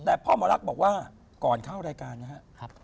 แต่พ่อหมอรักบอกว่าก่อนเข้ารายการนะครับ